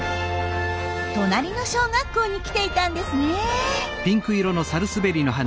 隣の小学校に来ていたんですね。